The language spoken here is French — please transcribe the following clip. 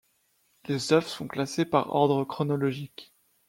Les œuvres sont classées par ordre chronologique.